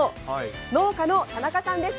農家の田中さんです。